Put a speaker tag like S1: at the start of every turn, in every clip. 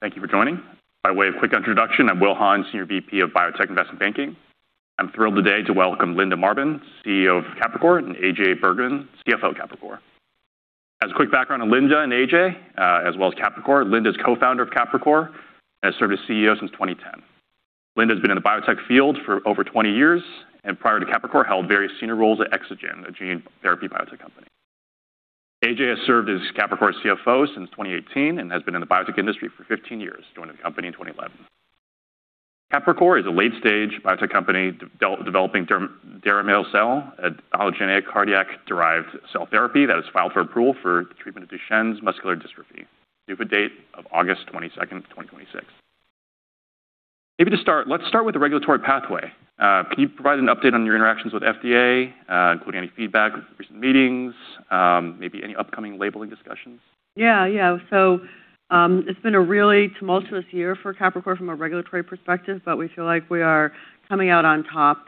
S1: Thank you for joining. By way of quick introduction, I'm Will Han, Senior Vice President of Biotech Investment Banking. I'm thrilled today to welcome Linda Marbán, Chief Executive Officer of Capricor, and AJ Bergmann, Chief Financial Officer of Capricor. As a quick background on Linda and AJ, as well as Capricor, Linda is co-founder of Capricor and has served as Chief Executive Officer since 2010. Linda's been in the biotech field for over 20 years, and prior to Capricor, held various senior roles at Exogen, a gene therapy biotech company. AJ has served as Capricor's Chief Financial Officer since 2018 and has been in the biotech industry for 15 years, joining the company in 2011. Capricor is a late-stage biotech company developing deramiocel, an allogeneic cardiac-derived cell therapy that is filed for approval for the treatment of Duchenne muscular dystrophy. PDUFA date of August 22nd, 2026. Let's start with the regulatory pathway. Can you provide an update on your interactions with FDA, including any feedback, recent meetings, maybe any upcoming labeling discussions?
S2: It's been a really tumultuous year for Capricor from a regulatory perspective, but we feel like we are coming out on top.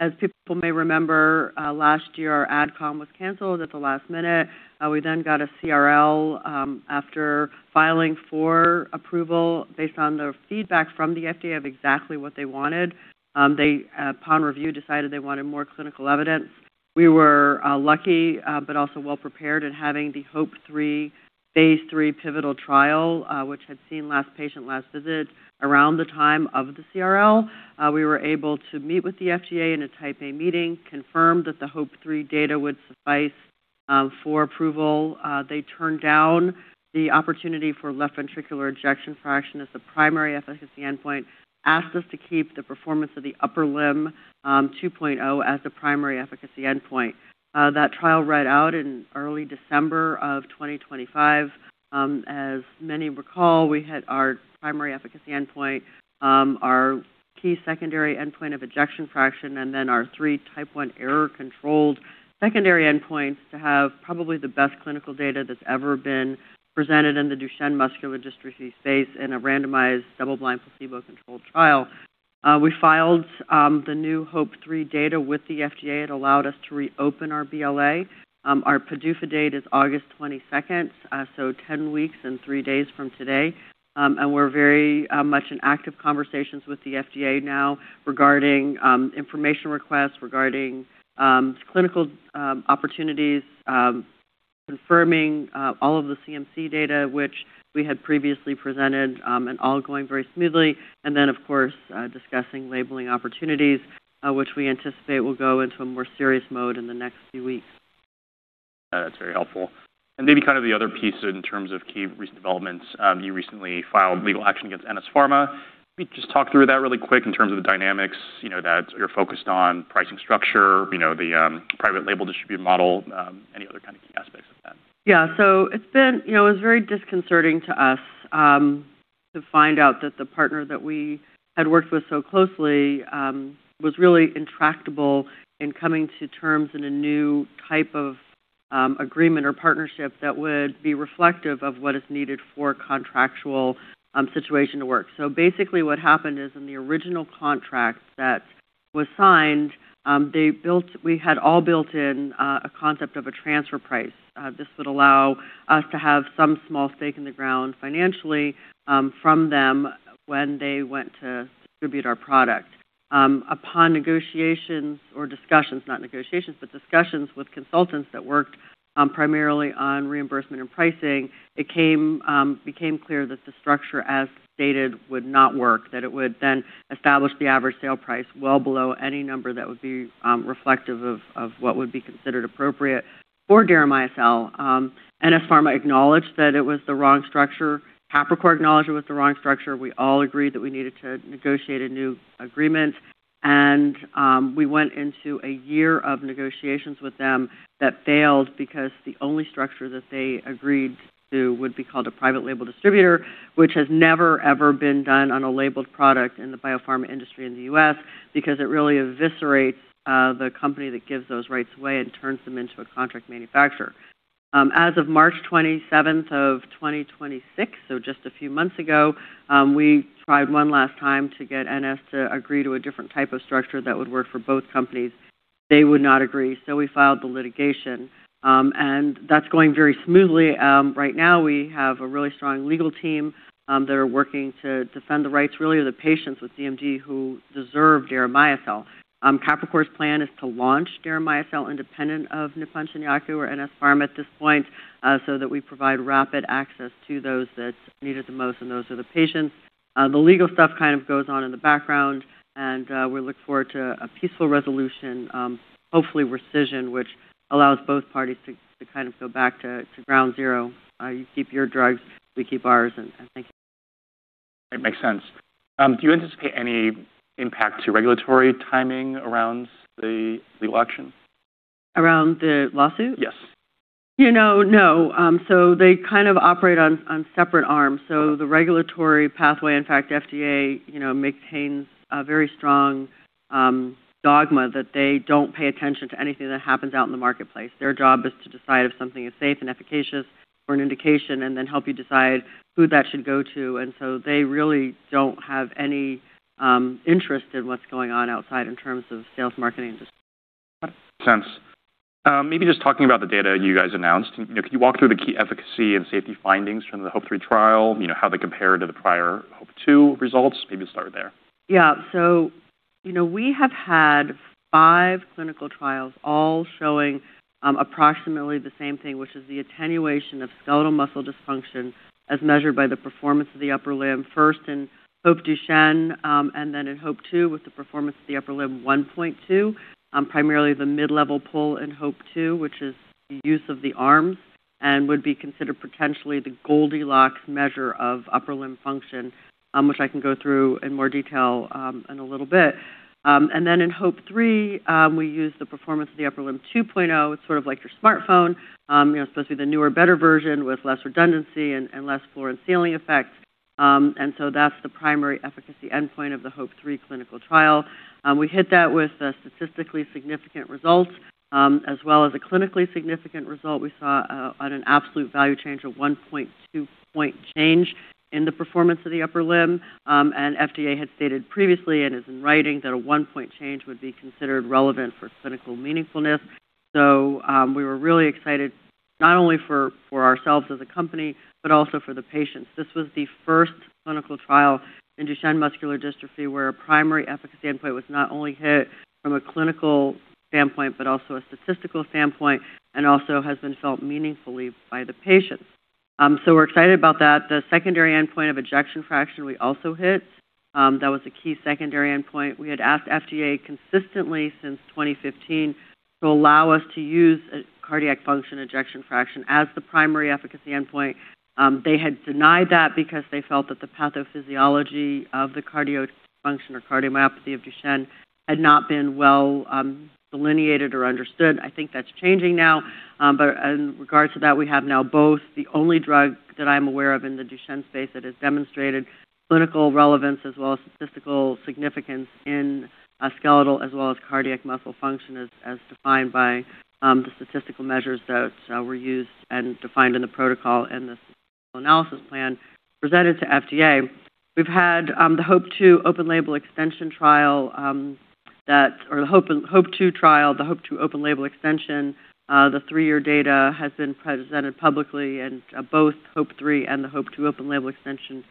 S2: As people may remember, last year our AdCom was canceled at the last minute. We then got a CRL, after filing for approval based on the feedback from the FDA of exactly what they wanted. They, upon review, decided they wanted more clinical evidence. We were lucky, but also well prepared in having the HOPE-3 phase III pivotal trial, which had seen last patient, last visit around the time of the CRL. We were able to meet with the FDA in a Type A meeting, confirmed that the HOPE-3 data would suffice for approval. They turned down the opportunity for left ventricular ejection fraction as the primary efficacy endpoint, asked us to keep the Performance of the Upper Limb 2.0 as the primary efficacy endpoint. That trial read out in early December of 2025. As many recall, we had our primary efficacy endpoint, our key secondary endpoint of ejection fraction, and our three Type I error-controlled secondary endpoints to have probably the best clinical data that's ever been presented in the Duchenne muscular dystrophy space in a randomized, double-blind, placebo-controlled trial. We filed the new HOPE-3 data with the FDA. It allowed us to reopen our BLA. Our PDUFA date is August 22nd, so 10 weeks and three days from today. We're very much in active conversations with the FDA now regarding information requests, regarding clinical opportunities, confirming all of the CMC data which we had previously presented, and all going very smoothly. Then, of course, discussing labeling opportunities, which we anticipate will go into a more serious mode in the next few weeks.
S1: That's very helpful. Maybe kind of the other piece in terms of key recent developments. You recently filed legal action against NS Pharma. Can you just talk through that really quick in terms of the dynamics, that you're focused on pricing structure, the private label distribute model, any other kind of key aspects of that?
S2: It's been very disconcerting to us to find out that the partner that we had worked with so closely was really intractable in coming to terms in a new type of agreement or partnership that would be reflective of what is needed for a contractual situation to work. Basically what happened is in the original contract that was signed, we had all built in a concept of a transfer price. This would allow us to have some small stake in the ground financially from them when they went to distribute our product. Upon negotiations or discussions, not negotiations, but discussions with consultants that worked primarily on reimbursement and pricing, it became clear that the structure as stated would not work, that it would then establish the average sale price well below any number that would be reflective of what would be considered appropriate for deramiocel. NS Pharma acknowledged that it was the wrong structure. Capricor acknowledged it was the wrong structure. We all agreed that we needed to negotiate a new agreement, we went into a year of negotiations with them that failed because the only structure that they agreed to would be called a private label distributor, which has never, ever been done on a labeled product in the biopharma industry in the U.S. because it really eviscerates the company that gives those rights away and turns them into a contract manufacturer. As of March 27th, 2026, just a few months ago, we tried one last time to get NS to agree to a different type of structure that would work for both companies. They would not agree, so we filed the litigation, that's going very smoothly. Right now, we have a really strong legal team that are working to defend the rights, really, of the patients with DMD who deserve deramiocel. Capricor's plan is to launch deramiocel independent of Nippon Shinyaku or NS Pharma at this point, so that we provide rapid access to those that need it the most, those are the patients. The legal stuff kind of goes on in the background, we look forward to a peaceful resolution, hopefully rescission, which allows both parties to kind of go back to ground zero. You keep your drugs, we keep ours, thank you.
S1: It makes sense. Do you anticipate any impact to regulatory timing around the legal action?
S2: Around the lawsuit?
S1: Yes.
S2: No. They kind of operate on separate arms. The regulatory pathway, in fact, FDA maintains a very strong dogma that they don't pay attention to anything that happens out in the marketplace. Their job is to decide if something is safe and efficacious for an indication and then help you decide who that should go to. They really don't have any interest in what's going on outside in terms of sales, marketing, and distribution.
S1: Makes sense. Maybe just talking about the data you guys announced. Can you walk through the key efficacy and safety findings from the HOPE-3 trial, how they compare to the prior HOPE-2 results? Maybe start there.
S2: We have had five clinical trials all showing approximately the same thing, which is the attenuation of skeletal muscle dysfunction as measured by the Performance of the Upper Limb, first in HOPE-Duchenne, then in HOPE-2 with the Performance of the Upper Limb 1.2. Primarily the mid-level PUL in HOPE-2, which is the use of the arms and would be considered potentially the Goldilocks measure of upper limb function, which I can go through in more detail in a little bit. Then in HOPE-3, we used the Performance of the Upper Limb 2.0. It's sort of like your smartphone. It's supposed to be the newer, better version with less redundancy and less floor and ceiling effect. That's the primary efficacy endpoint of the HOPE-3 clinical trial. We hit that with statistically significant results as well as a clinically significant result we saw on an absolute value change of 1.2-point change in the Performance of the Upper Limb. FDA had stated previously and is in writing that a 1-point change would be considered relevant for clinical meaningfulness. We were really excited, not only for ourselves as a company, but also for the patients. This was the first clinical trial in Duchenne muscular dystrophy where a primary efficacy endpoint was not only hit from a clinical standpoint but also a statistical standpoint and also has been felt meaningfully by the patients. We're excited about that. The secondary endpoint of ejection fraction we also hit. That was a key secondary endpoint. We had asked FDA consistently since 2015 to allow us to use cardiac function ejection fraction as the primary efficacy endpoint. They had denied that because they felt that the pathophysiology of the cardio function or cardiomyopathy of Duchenne had not been well delineated or understood. I think that's changing now. In regards to that, we have now both the only drug that I'm aware of in the Duchenne space that has demonstrated clinical relevance as well as statistical significance in skeletal as well as cardiac muscle function as defined by the statistical measures that were used and defined in the protocol and the statistical analysis plan presented to FDA. We've had the HOPE-2 open label extension. The three-year data has been presented publicly and both HOPE-3 and the HOPE-2 open label extension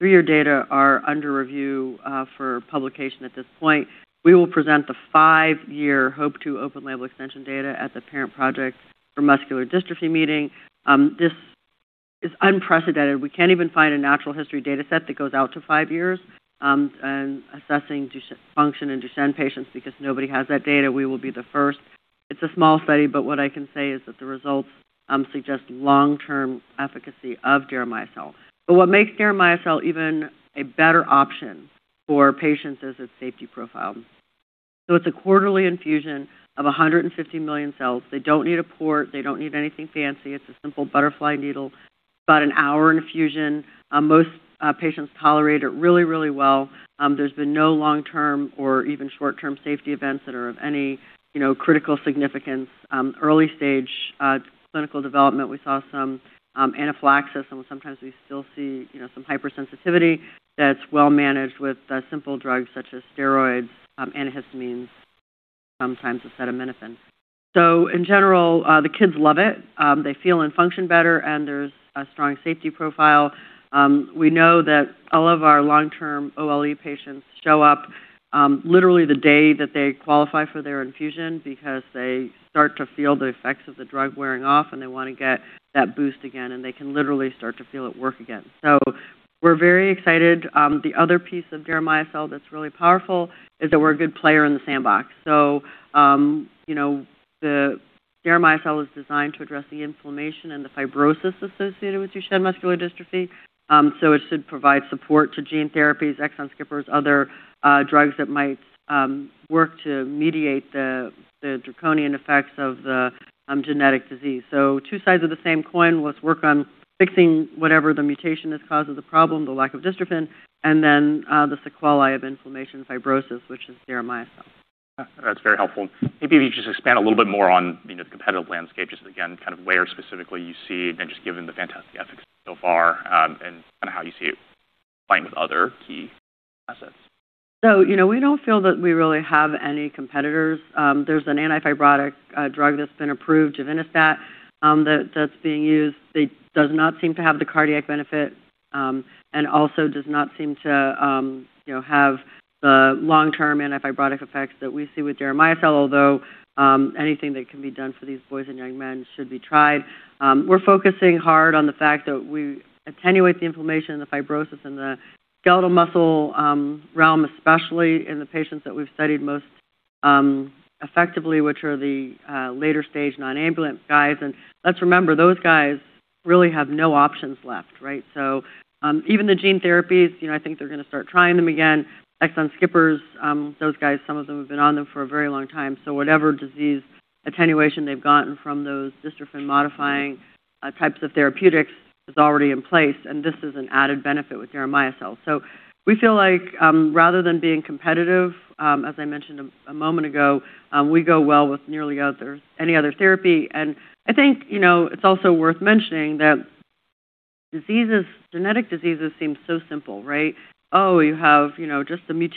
S2: three-year data are under review for publication at this point. We will present the five-year HOPE-2 open label extension data at the Parent Project Muscular Dystrophy meeting. This is unprecedented. We can't even find a natural history data set that goes out to five years assessing function in Duchenne patients because nobody has that data. We will be the first. It's a small study, but what I can say is that the results suggest long-term efficacy of deramiocel. What makes deramiocel even a better option for patients is its safety profile. It's a quarterly infusion of 150 million cells. They don't need a port. They don't need anything fancy. It's a simple butterfly needle, about an hour infusion. Most patients tolerate it really, really well. There's been no long-term or even short-term safety events that are of any critical significance. Early stage clinical development, we saw some anaphylaxis, and sometimes we still see some hypersensitivity that's well managed with simple drugs such as steroids, antihistamines, sometimes acetaminophen. In general, the kids love it. They feel and function better, and there's a strong safety profile. We know that all of our long-term OLE patients show up literally the day that they qualify for their infusion because they start to feel the effects of the drug wearing off, and they want to get that boost again, and they can literally start to feel it work again. We're very excited. The other piece of deramiocel that's really powerful is that we're a good player in the sandbox. deramiocel is designed to address the inflammation and the fibrosis associated with Duchenne muscular dystrophy. It should provide support to gene therapies, exon skippers, other drugs that might work to mediate the draconian effects of the genetic disease. Two sides of the same coin. Let's work on fixing whatever the mutation that causes the problem, the lack of dystrophin, and then the sequelae of inflammation fibrosis, which is deramiocel.
S1: Yeah. That's very helpful. Maybe if you could just expand a little bit more on the competitive landscape, just again, kind of where specifically you see and just given the fantastic efficacy so far and how you see it playing with other key assets.
S2: We don't feel that we really have any competitors. There's an anti-fibrotic drug that's been approved, givinostat, that's being used. It does not seem to have the cardiac benefit. Also does not seem to have the long-term anti-fibrotic effects that we see with deramiocel, although anything that can be done for these boys and young men should be tried. We're focusing hard on the fact that we attenuate the inflammation and the fibrosis in the skeletal muscle realm, especially in the patients that we've studied most effectively, which are the later stage non-ambulant guys. Let's remember, those guys really have no options left, right? Even the gene therapies, I think they're going to start trying them again. Exon skippers, those guys, some of them have been on them for a very long time. Whatever disease attenuation they've gotten from those dystrophin modifying types of therapeutics is already in place, and this is an added benefit with deramiocel. We feel like rather than being competitive, as I mentioned a moment ago, we go well with any other therapy. I think it's also worth mentioning that genetic diseases seem so simple, right? Oh, you have just a tiny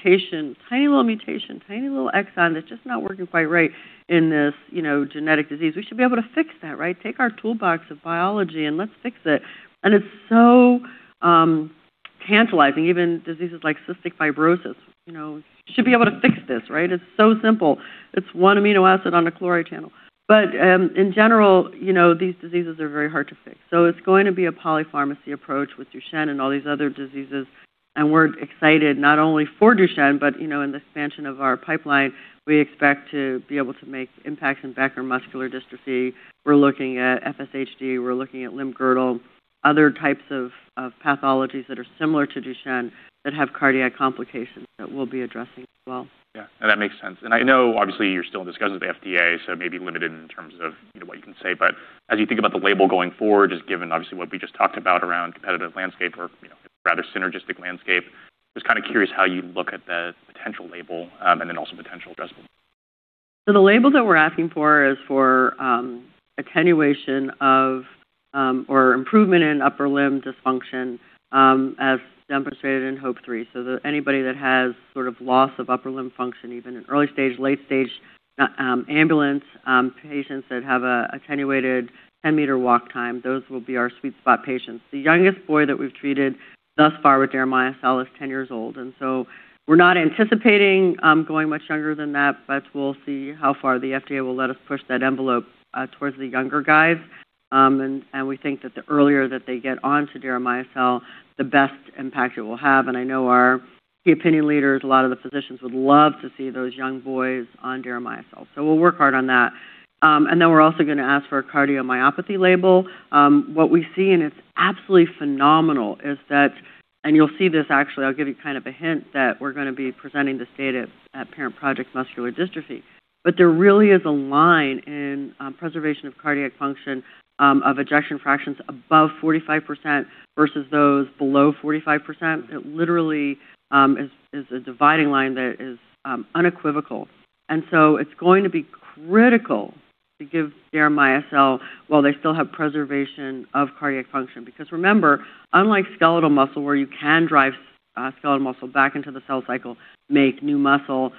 S2: little mutation, tiny little exon that's just not working quite right in this genetic disease. We should be able to fix that, right? Take our toolbox of biology and let's fix it. It's so tantalizing. Even diseases like cystic fibrosis. We should be able to fix this, right? It's so simple. It's one amino acid on a chloride channel. In general, these diseases are very hard to fix. It's going to be a polypharmacy approach with Duchenne and all these other diseases, and we're excited not only for Duchenne, but in the expansion of our pipeline. We expect to be able to make impacts in Becker muscular dystrophy. We're looking at FSHD. We're looking at limb-girdle, other types of pathologies that are similar to Duchenne that have cardiac complications that we'll be addressing as well.
S1: Yeah. No, that makes sense. I know obviously you're still in discussions with the FDA, so maybe limited in terms of what you can say, but as you think about the label going forward, just given obviously what we just talked about around competitive landscape or rather synergistic landscape, just kind of curious how you look at the potential label and then also potential addressable market.
S2: The label that we're asking for is for attenuation of or improvement in upper limb dysfunction as demonstrated in HOPE-3. Anybody that has sort of loss of upper limb function, even in early stage, late stage, ambulant patients that have an attenuated 10-meter walk test, those will be our sweet spot patients. The youngest boy that we've treated thus far with deramiocel is 10 years old, we're not anticipating going much younger than that, but we'll see how far the FDA will let us push that envelope towards the younger guys. We think that the earlier that they get on to deramiocel, the best impact it will have. I know our key opinion leaders, a lot of the physicians would love to see those young boys on deramiocel. We'll work hard on that. We're also going to ask for a cardiomyopathy label. What we see, and it's absolutely phenomenal, is that, and you'll see this actually, I'll give you kind of a hint that we're going to be presenting this data at Parent Project Muscular Dystrophy. There really is a line in preservation of cardiac function of ejection fractions above 45% versus those below 45%. It literally is a dividing line that is unequivocal. It's going to be critical to give deramiocel while they still have preservation of cardiac function. Remember, unlike skeletal muscle where you can drive skeletal muscle back into the cell cycle, make new muscle,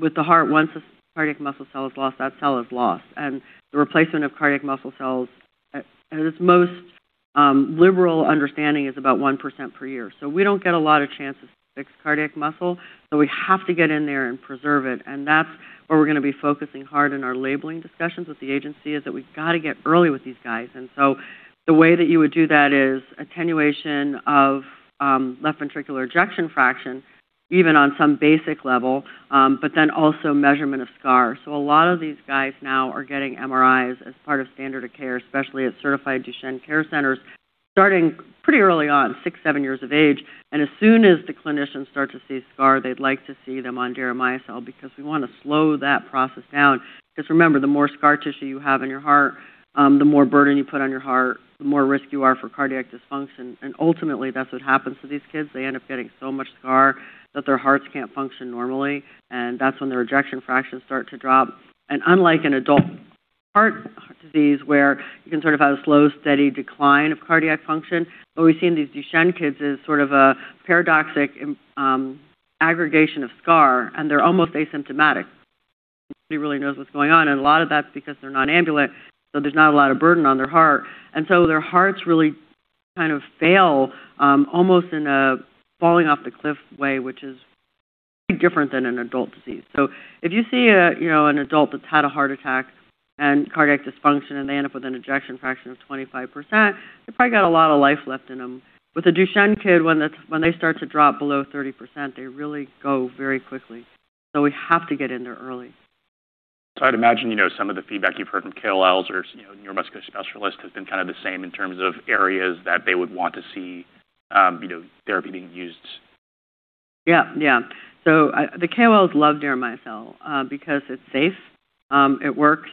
S2: with the heart, once a cardiac muscle cell is lost, that cell is lost, and the replacement of cardiac muscle cells at its most liberal understanding is about 1% per year. We don't get a lot of chances to fix cardiac muscle. We have to get in there and preserve it. That's where we're going to be focusing hard in our labeling discussions with the agency is that we've got to get early with these guys. The way that you would do that is attenuation of left ventricular ejection fraction, even on some basic level. Also measurement of scar. A lot of these guys now are getting MRIs as part of standard of care, especially at certified Duchenne care centers, starting pretty early on, six, seven years of age. As soon as the clinicians start to see scar, they'd like to see them on deramiocel because we want to slow that process down. Remember, the more scar tissue you have in your heart, the more burden you put on your heart, the more risk you are for cardiac dysfunction. Ultimately, that's what happens to these kids. They end up getting so much scar that their hearts can't function normally. That's when their ejection fractions start to drop. Unlike an adult heart disease where you can sort of have a slow, steady decline of cardiac function, what we see in these Duchenne kids is sort of a paradoxic aggregation of scar. They're almost asymptomatic. Nobody really knows what's going on. A lot of that is because they're not ambulant. There's not a lot of burden on their heart. Their hearts really kind of fail almost in a falling off the cliff way, which is pretty different than an adult disease. If you see an adult that's had a heart attack and cardiac dysfunction and they end up with an ejection fraction of 25%, they've probably got a lot of life left in them. With a Duchenne kid, when they start to drop below 30%, they really go very quickly. We have to get in there early.
S1: I'd imagine some of the feedback you've heard from KOLs or neuromuscular specialists has been kind of the same in terms of areas that they would want to see therapy being used.
S2: Yeah. The KOLs love deramiocel because it's safe, it works,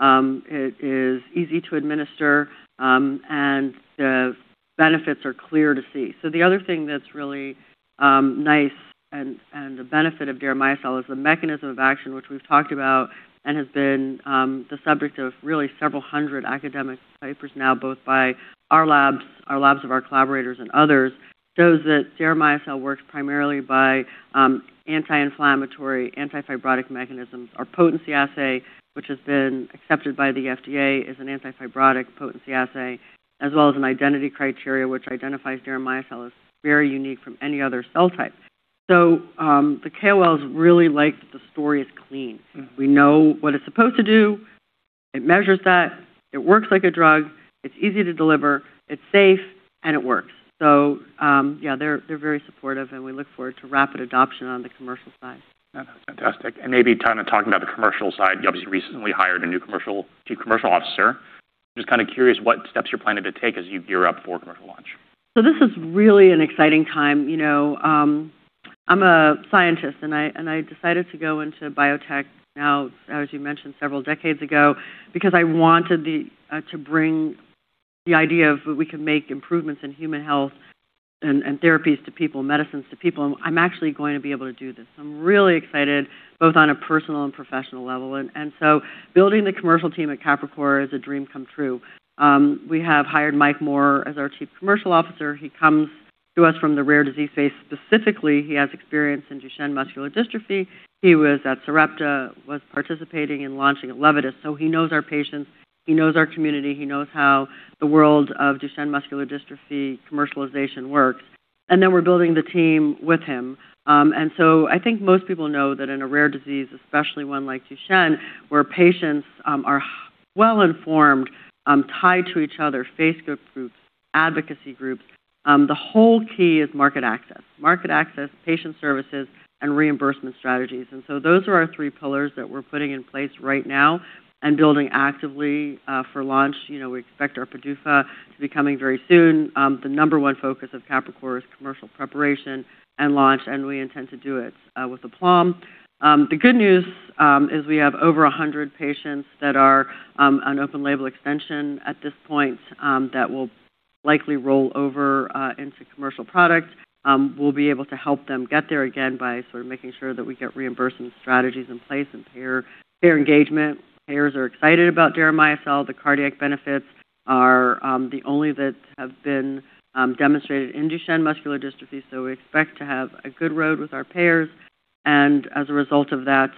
S2: it is easy to administer, and the benefits are clear to see. The other thing that's really nice and the benefit of deramiocel is the mechanism of action which we've talked about and has been the subject of really several hundred academic papers now, both by our labs of our collaborators, and others, shows that deramiocel works primarily by anti-inflammatory, anti-fibrotic mechanisms. Our potency assay, which has been accepted by the FDA as an anti-fibrotic potency assay, as well as an identity criteria which identifies deramiocel as very unique from any other cell type. The KOLs really like that the story is clean. We know what it's supposed to do. It measures that. It works like a drug. It's easy to deliver. It's safe, and it works. Yeah, they're very supportive, and we look forward to rapid adoption on the commercial side.
S1: Yeah. That's fantastic. Maybe kind of talking about the commercial side, you obviously recently hired a new Chief Commercial Officer. Just kind of curious what steps you're planning to take as you gear up for commercial launch.
S2: This is really an exciting time. I'm a scientist, and I decided to go into biotech now, as you mentioned, several decades ago because I wanted to bring the idea of we could make improvements in human health and therapies to people, medicines to people. I'm actually going to be able to do this. I'm really excited, both on a personal and professional level. Building the commercial team at Capricor is a dream come true. We have hired Mike Moyer as our Chief Commercial Officer. He comes to us from the rare disease space. Specifically, he has experience in Duchenne muscular dystrophy. He was at Sarepta, was participating in launching ELEVIDYS. He knows our patients, he knows our community, he knows how the world of Duchenne muscular dystrophy commercialization works. We're building the team with him. I think most people know that in a rare disease, especially one like Duchenne, where patients are well-informed, tied to each other, Facebook groups, advocacy groups, the whole key is market access. Market access, patient services, and reimbursement strategies. Those are our three pillars that we're putting in place right now and building actively for launch. We expect our PDUFA to be coming very soon. The number one focus of Capricor is commercial preparation and launch, and we intend to do it with aplomb. The good news is we have over 100 patients that are on open label extension at this point that will likely roll over into commercial product. We'll be able to help them get there again by sort of making sure that we get reimbursement strategies in place and payer engagement. Payers are excited about deramiocel. The cardiac benefits are the only that have been demonstrated in Duchenne muscular dystrophy. We expect to have a good road with our payers. As a result of that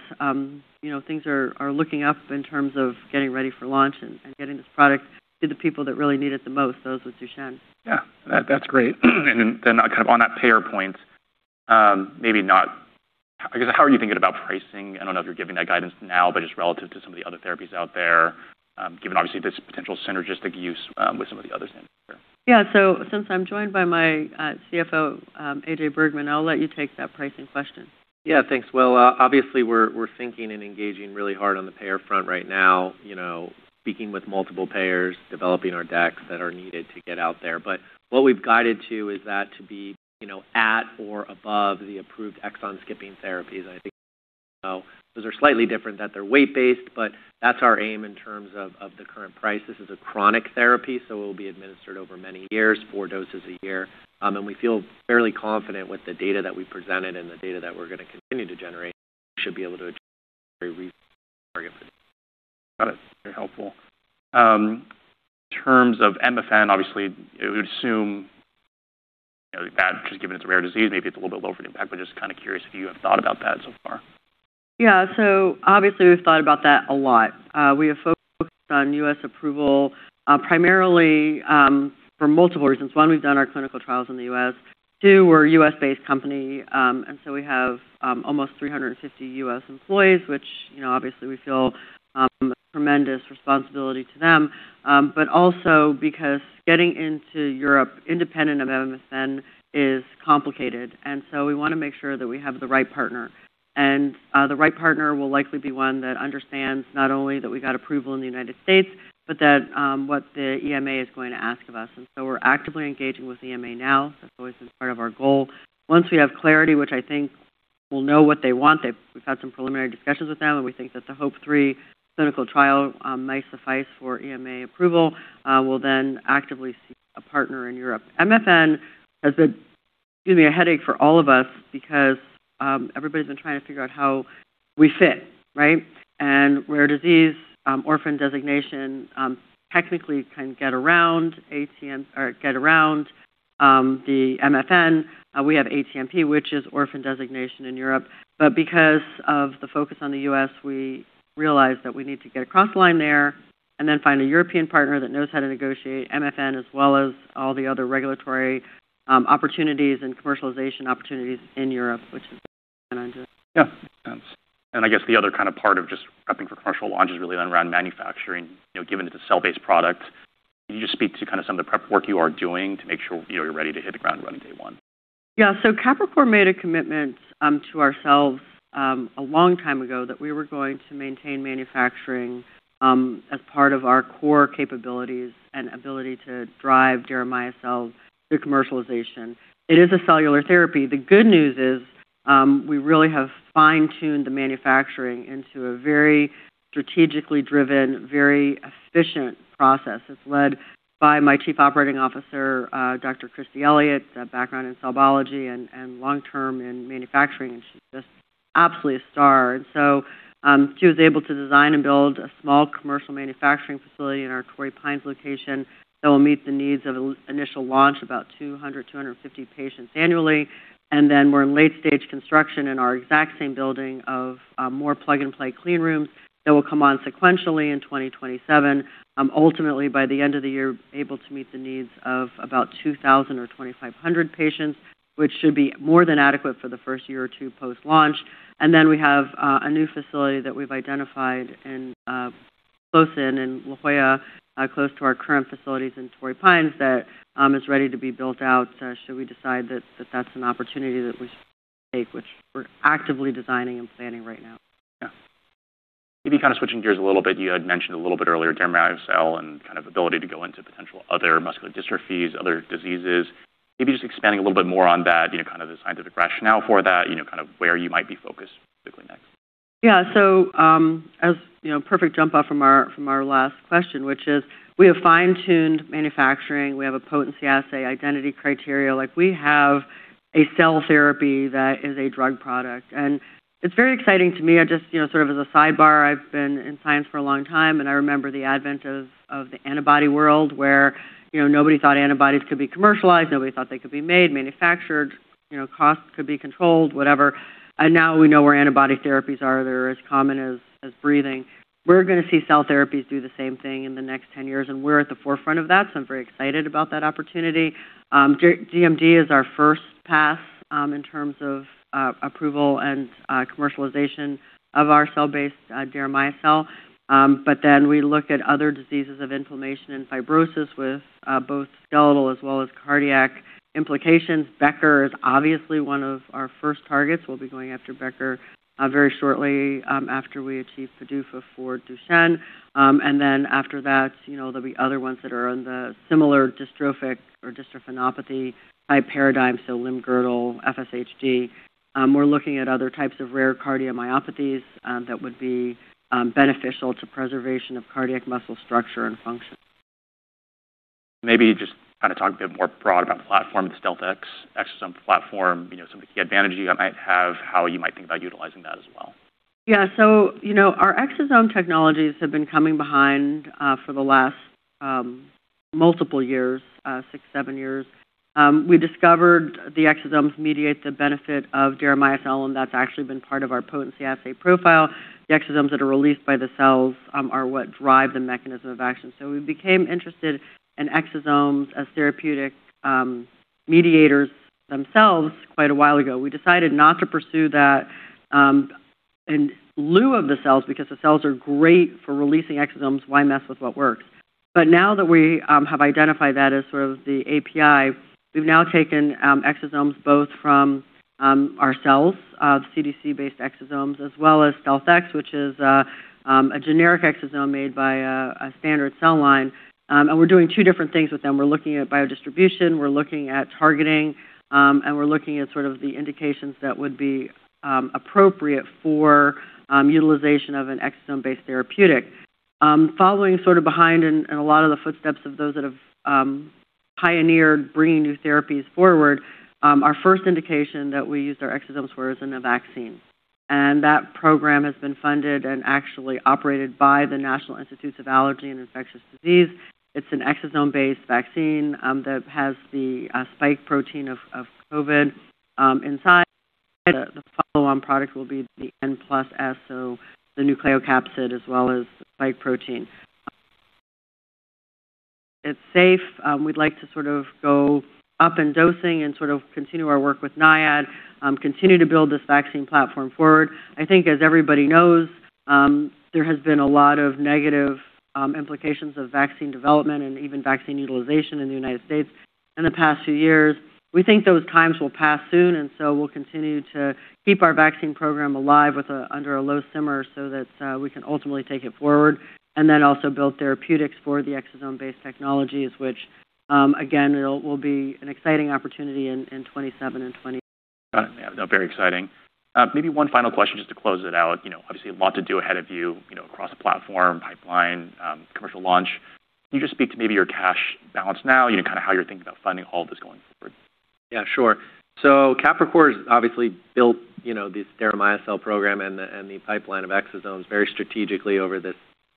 S2: things are looking up in terms of getting ready for launch and getting this product to the people that really need it the most, those with Duchenne.
S1: Yeah. That's great. Kind of on that payer point, I guess, how are you thinking about pricing? I don't know if you're giving that guidance now, but just relative to some of the other therapies out there, given obviously this potential synergistic use with some of the others in the group.
S2: Yeah. Since I'm joined by my Chief Financial Officer, AJ Bergmann, I'll let you take that pricing question.
S3: Yeah, thanks. Well, obviously, we're thinking and engaging really hard on the payer front right now, speaking with multiple payers, developing our decks that are needed to get out there. What we've guided to is that to be at or above the approved exon-skipping therapies, and I think those are slightly different, that they're weight-based, but that's our aim in terms of the current price. This is a chronic therapy, so it'll be administered over many years, four doses a year. We feel fairly confident with the data that we presented and the data that we're going to continue to generate, we should be able to achieve very reasonable target for that.
S1: Got it. Very helpful. In terms of MFN, obviously, we would assume that just given it's a rare disease, maybe it's a little bit lower for new tech, but just kind of curious if you have thought about that so far.
S2: Yeah. Obviously we've thought about that a lot. We have focused on U.S. approval, primarily for multiple reasons. One, we've done our clinical trials in the U.S. Two, we're a U.S.-based company, and we have almost 350 U.S. employees, which obviously we feel tremendous responsibility to them. Also because getting into Europe independent of MFN is complicated. We want to make sure that we have the right partner, and the right partner will likely be one that understands not only that we got approval in the United States, but that what the EMA is going to ask of us. We're actively engaging with EMA now. That's always been part of our goal. Once we have clarity, which I think we'll know what they want. We've had some preliminary discussions with them. We think that the HOPE-3 clinical trial might suffice for EMA approval. We'll then actively seek a partner in Europe. MFN has been giving a headache for all of us because everybody's been trying to figure out how we fit, right? Rare disease orphan designation technically can get around the MFN. We have ATMP, which is orphan designation in Europe. Because of the focus on the U.S., we realized that we need to get across the line there and then find a European partner that knows how to negotiate MFN as well as all the other regulatory opportunities and commercialization opportunities in Europe, which is what we're going to do.
S1: Yeah, makes sense. I guess the other kind of part of just prepping for commercial launch is really then around manufacturing. Given it's a cell-based product, can you just speak to kind of some of the prep work you are doing to make sure you're ready to hit the ground running day one?
S2: Yeah. Capricor made a commitment to ourselves a long time ago that we were going to maintain manufacturing as part of our core capabilities and ability to drive deramiocel through commercialization. It is a cellular therapy. The good news is we really have fine-tuned the manufacturing into a very strategically driven, very efficient process. It's led by my Chief Operating Officer, Dr. Kristi Elliott, background in cell biology and long-term in manufacturing, and she's just absolutely a star. She was able to design and build a small commercial manufacturing facility in our Torrey Pines location that will meet the needs of initial launch, about 200 patients, 250 patients annually. Then we're in late stage construction in our exact same building of more plug-and-play clean rooms that will come on sequentially in 2027. Ultimately, by the end of the year, able to meet the needs of about 2,000 patients or 2,500 patients, which should be more than adequate for the first year or two post-launch. Then we have a new facility that we've identified close in La Jolla, close to our current facilities in Torrey Pines that is ready to be built out should we decide that that's an opportunity that we should take, which we're actively designing and planning right now.
S1: Yeah. Maybe kind of switching gears a little bit, you had mentioned a little bit earlier deramiocel and kind of ability to go into potential other muscular dystrophies, other diseases. Maybe just expanding a little bit more on that, kind of the scientific rationale for that, kind of where you might be focused
S2: Yeah. As a perfect jump off from our last question, which is we have fine-tuned manufacturing, we have a potency assay, identity criteria. We have a cell therapy that is a drug product, it's very exciting to me. Just sort of as a sidebar, I've been in science for a long time, I remember the advent of the antibody world where nobody thought antibodies could be commercialized, nobody thought they could be made, manufactured, costs could be controlled, whatever. Now we know where antibody therapies are. They're as common as breathing. We're going to see cell therapies do the same thing in the next 10 years, we're at the forefront of that. I'm very excited about that opportunity. DMD is our first pass in terms of approval and commercialization of our cell-based deramiocel. We look at other diseases of inflammation and fibrosis with both skeletal as well as cardiac implications. Becker is obviously one of our first targets. We'll be going after Becker very shortly after we achieve PDUFA for Duchenne. After that, there'll be other ones that are on the similar dystrophic or dystrophinopathy type paradigm, so limb-girdle, FSHD. We're looking at other types of rare cardiomyopathies that would be beneficial to preservation of cardiac muscle structure and function.
S1: Maybe just kind of talk a bit more broad about the platform, the StealthX exosome platform, some of the key advantages you might have, how you might think about utilizing that as well.
S2: Yeah. Our exosome technologies have been coming behind for the last multiple years, six, seven years. We discovered the exosomes mediate the benefit of deramiocel, and that's actually been part of our potency assay profile. The exosomes that are released by the cells are what drive the mechanism of action. We became interested in exosomes as therapeutic mediators themselves quite a while ago. We decided not to pursue that in lieu of the cells, because the cells are great for releasing exosomes. Why mess with what works? Now that we have identified that as sort of the API, we've now taken exosomes both from our cells, CDC-based exosomes, as well as StealthX, which is a generic exosome made by a standard cell line. We're doing two different things with them. We're looking at biodistribution, we're looking at targeting, and we're looking at sort of the indications that would be appropriate for utilization of an exosome-based therapeutic. Following sort of behind in a lot of the footsteps of those that have pioneered bringing new therapies forward, our first indication that we used our exosomes for is in a vaccine. That program has been funded and actually operated by the National Institute of Allergy and Infectious Diseases. It's an exosome-based vaccine that has the spike protein of COVID inside. The follow-on product will be the N plus S, so the nucleocapsid as well as spike protein. It's safe. We'd like to sort of go up in dosing and sort of continue our work with NIAID, continue to build this vaccine platform forward. I think, as everybody knows, there has been a lot of negative implications of vaccine development and even vaccine utilization in the U.S. in the past few years. We think those times will pass soon. We'll continue to keep our vaccine program alive under a low simmer so that we can ultimately take it forward, also build therapeutics for the exosome-based technologies, which again, will be an exciting opportunity in 2027 and 2028.
S1: Got it. Yeah, no, very exciting. Maybe one final question just to close it out. Obviously, a lot to do ahead of you across the platform, pipeline, commercial launch. Can you just speak to maybe your cash balance now, kind of how you're thinking about funding all this going forward?
S3: Yeah, sure. Capricor's obviously built this deramiocel program and the pipeline of exosomes very strategically over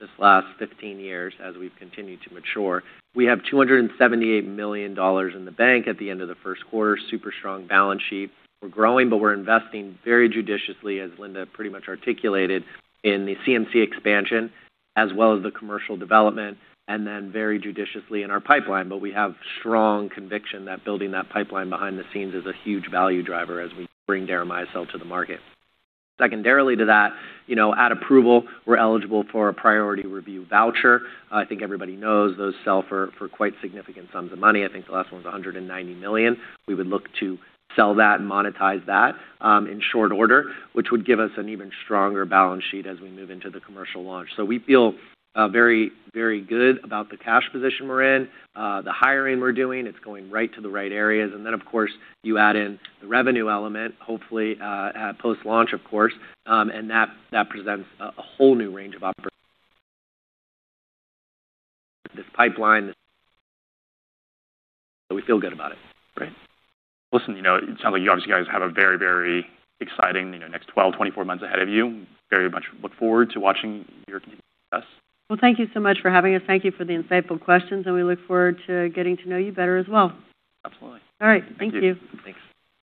S3: this last 15 years as we've continued to mature. We have $278 million in the bank at the end of the first quarter. Super strong balance sheet. We're growing, but we're investing very judiciously, as Linda pretty much articulated, in the CMC expansion as well as the commercial development, and then very judiciously in our pipeline. We have strong conviction that building that pipeline behind the scenes is a huge value driver as we bring deramiocel to the market. Secondarily to that, at approval, we're eligible for a priority review voucher. I think everybody knows those sell for quite significant sums of money. I think the last one was $190 million. We would look to sell that and monetize that in short order, which would give us an even stronger balance sheet as we move into the commercial launch. We feel very good about the cash position we're in. The hiring we're doing, it's going right to the right areas. Then, of course, you add in the revenue element, hopefully at post-launch, of course, and that presents a whole new range of opportunities with this pipeline. We feel good about it.
S1: Great. Listen, it sounds like you obviously guys have a very exciting next 12 months-24 months ahead of you. Very much look forward to watching your continued success.
S2: Well, thank you so much for having us. Thank you for the insightful questions, and we look forward to getting to know you better as well.
S1: Absolutely.
S2: All right. Thank you.
S1: Thanks